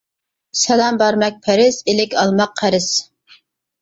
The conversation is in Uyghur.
سالام بەرمەك پەرز، ئىلىك ئالماق قەرز.